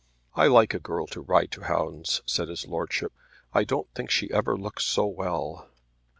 "I like a girl to ride to hounds," said his lordship. "I don't think she ever looks so well."